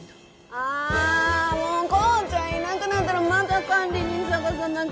ああもう紘ちゃんいなくなったらまた管理人探さなきゃじゃん。